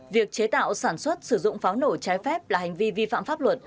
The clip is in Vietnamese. việc chế tạo sản xuất sử dụng pháo nổ trái phép là hành vi vi phạm pháp luật